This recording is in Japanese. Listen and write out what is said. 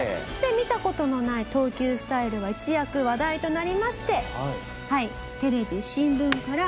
見た事のない投球スタイルは一躍話題となりまして。